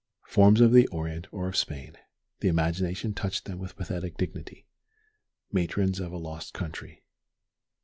Forms of the Orient or of Spain, the imagination touched them with pathetic dignity matrons of a lost country.